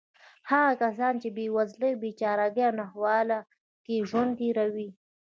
هغه کسان چې په بېوزلۍ، بېچارهګۍ او ناخوالو کې ژوند تېروي.